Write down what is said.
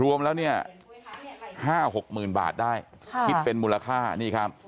รวมแล้วเนี้ยห้าหกหมื่นบาทได้ค่ะคิดเป็นมูลค่านี่ครับ